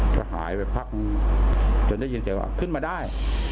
ก็หายไปพักนึงจนได้ยินเสียงว่าขึ้นมาได้